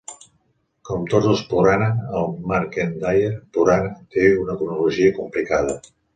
Com tots els purana, el "Markandeya Purana" té una cronologia complicada.